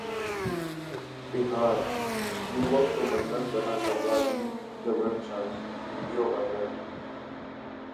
बिहार: युवक को बंधक बना करवा दी जबरन शादी, वीडियो वायरल